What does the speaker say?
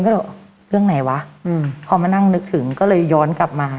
ก็เลยบอกเรื่องไหนวะพอมานั่งนึกถึงก็เลยย้อนกลับมา